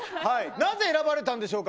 なぜ選ばれたんでしょうか。